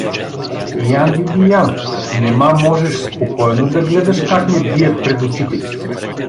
Ян Бибиян, нима можеш спокойно да гледаш как ме бият пред очите ти!